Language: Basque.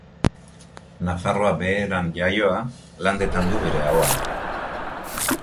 Nafarroa Beherean jaioa, Landetan du bere ahoa.